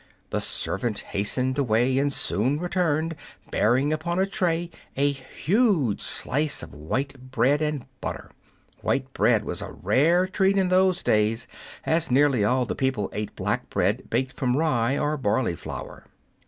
The servant hastened away, and soon returned bearing upon a tray a huge slice of white bread and butter. White bread was a rare treat in those days, as nearly all the people ate black bread baked from rye or barley flour.